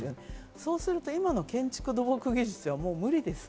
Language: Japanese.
そうすると、今の建築土木技術ではもう無理です。